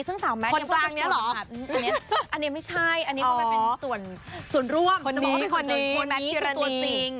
ซึ่งสาวแมทยังเปล่าครับอันนี้ไม่ใช่อันนี้ก็เป็นส่วนร่วมจะบอกว่าเป็นส่วนแมทพิอรานี